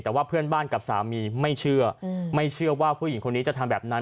แต่ว่าเพื่อนบ้านกับสามีไม่เชื่อไม่เชื่อว่าผู้หญิงคนนี้จะทำแบบนั้น